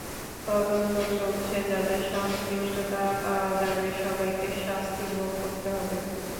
তদন্ত চলছে, যাঁদের সংশ্লিষ্টতা পাওয়া যাবে, সবাইকে শাস্তি ভোগ করতে হবে।